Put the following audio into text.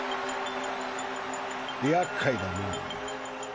やっかいだな。